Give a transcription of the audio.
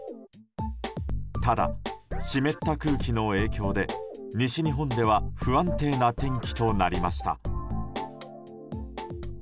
ただ、湿った空気の影響で西日本では不安定な天気となりました。